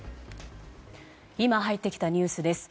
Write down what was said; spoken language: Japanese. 今入ってきたニュースです。